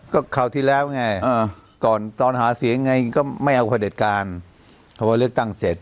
ก็คราวที่แล้วไงก่อนตอนหาเสียงไงก็ไม่เอาพระเด็จการพอเลือกตั้งเสร็จ